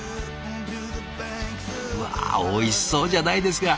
うわおいしそうじゃないですか。